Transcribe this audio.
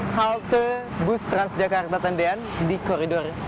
halte bus transjakarta tandian di koridor tiga belas